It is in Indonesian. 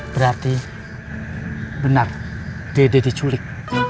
berarti benar dede diculik